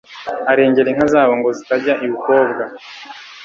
Arengera inka zabo Ngo zitajya i Bukobwa,